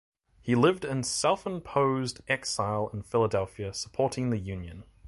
He lived in self-imposed exile in Philadelphia, supporting the Union.